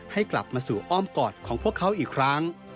ให้กลับมาสู่อ้อมกอดของพวกเขาอีกครั้ง